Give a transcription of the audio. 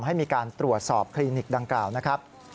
ให้มีการตรวจสอบคลินิกดังกล่าวนะครับ